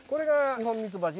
二ホンミツバチ。